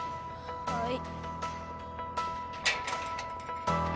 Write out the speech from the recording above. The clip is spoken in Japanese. はい。